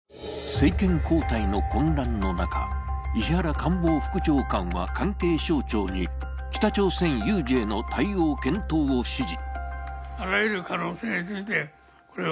政権交代の混乱の中、石原官房副長官は関係省庁に北朝鮮有事への対応検討を指示。